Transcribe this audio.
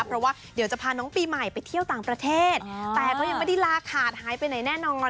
เพราะว่าเดี๋ยวจะพาน้องปีใหม่ไปเที่ยวต่างประเทศแต่ก็ยังไม่ได้ลาขาดหายไปไหนแน่นอน